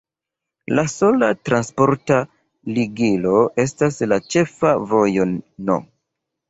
La sola transporta ligilo estas la ĉefa vojo No.